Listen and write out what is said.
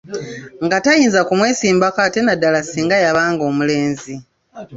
Nga tayinza kumwesimbako ate naddala singa yabanga omulenzi.